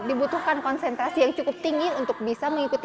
dibutuhkan konsentrasi yang cukup tinggi untuk bisa mengikuti